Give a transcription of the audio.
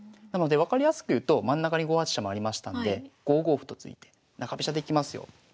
なので分かりやすく言うと真ん中に５八飛車回りましたので５五歩と突いて中飛車でいきますよ。